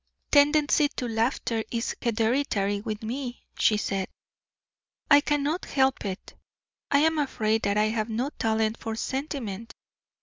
"Tendency to laughter is hereditary with me," she said. "I cannot help it. I am afraid that I have no talent for sentiment.